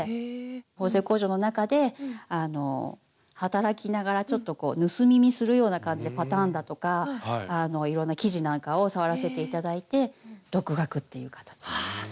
縫製工場の中であの働きながらちょっと盗み見するような感じでパターンだとかいろんな生地なんかを触らせて頂いて独学っていう形ですね。